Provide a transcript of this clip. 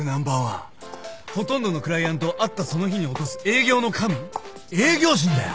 ほとんどのクライアントを会ったその日に落とす営業の神営業神だよ。